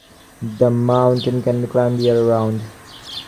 The mountain can be climbed year-round.